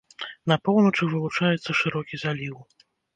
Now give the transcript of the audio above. На поўначы вылучаецца шырокі заліў.